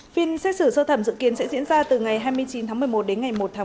phiên xét xử sơ thẩm dự kiến sẽ diễn ra từ ngày hai mươi chín tháng một mươi một đến ngày một tháng một mươi